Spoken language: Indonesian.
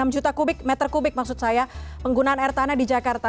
enam juta meter kubik maksud saya penggunaan air tanah di jakarta